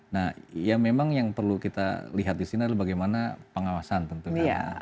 nah ya memang yang perlu kita lihat di sini adalah bagaimana pengawasan tentunya